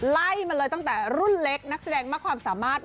ไล่มาเลยตั้งแต่รุ่นเล็กนักแสดงมากความสามารถ